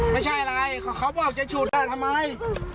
ไม่ใช่อะไรเขาบอกจะฉุดทำไม